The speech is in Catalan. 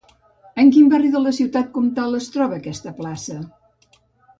En quin barri de la ciutat comtal es troba aquesta plaça?